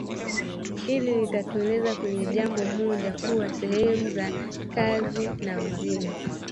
Hili litatuelekeza kwenye jambo moja: kuwa sehemu za kazi na uzima